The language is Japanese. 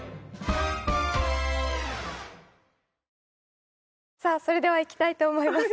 果たしてそれでは行きたいと思います